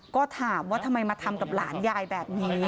ก็ถามว่าทำไมมาทำกับหลานยายแบบนี้